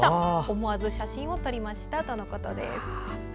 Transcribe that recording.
思わず写真を撮りましたとのことです。